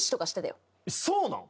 そうなの？